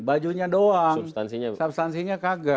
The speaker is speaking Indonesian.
bajunya doang substansinya kagak